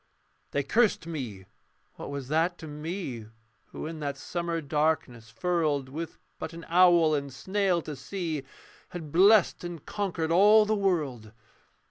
They cursed me: what was that to me Who in that summer darkness furled, With but an owl and snail to see, Had blessed and conquered all the world?